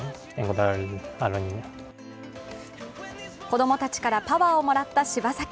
子供たちからパワーをもらった柴崎。